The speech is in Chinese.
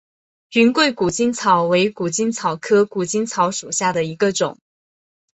云贵谷精草为谷精草科谷精草属下的一个种。